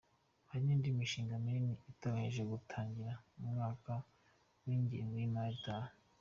Hari n’indi mishinga minini iteganyijwe gutangira mu mwaka w’ingengo y’imari itaha.